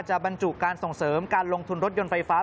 บรรจุการส่งเสริมการลงทุนรถยนต์ไฟฟ้า